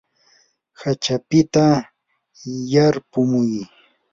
hachapita yarpumuy.